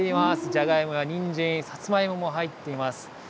じゃがいもやにんじん、さつまいもも入っています。